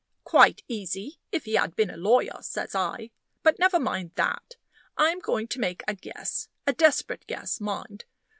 "Quite easy, if he had been a lawyer," says I. "But never mind that; I'm going to make a guess a desperate guess, mind.